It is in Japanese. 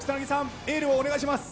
エールをお願いします。